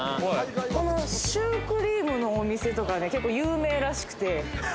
このシュークリームのお店とか結構有名らしくて。